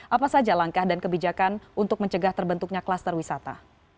apa saja langkah dan kebijakan untuk mencegah terbentuknya kluster wisata